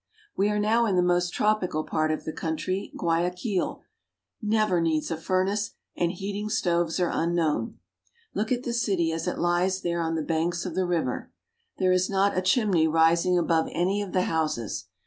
We are now in the most tropical part of the country. Guayaquil never needs a furnace, and heating stoves are unknown. Look at the city as it lies there on the banks of the river. There is not a chimney rising above any of the houses.